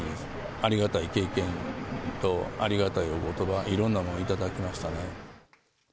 ありがたい経験と、ありがたいおことば、いろんなもの頂きましたね。